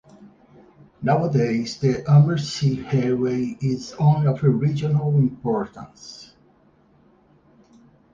Nowadays the Ammersee Railway in only of regional importance.